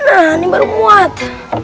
nah ini baru muat